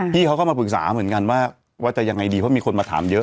พี่เขาก็มาปรึกษาเหมือนกันว่าจะยังไงดีเพราะมีคนมาถามเยอะ